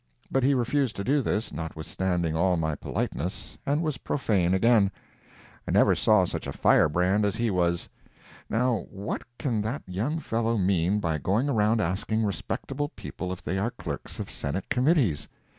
But he refused to do this, notwithstanding all my politeness, and was profane again. I never saw such a fire brand as he was. Now what can that young fellow mean by going around asking respectable people if they are clerks of Senate committees?